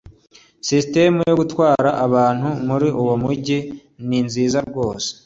Sisitemu yo gutwara abantu muri uwo mujyi ni nziza rwose